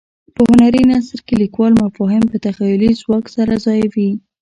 په هنري نثر کې لیکوال مفاهیم په تخیلي ځواک سره ځایوي.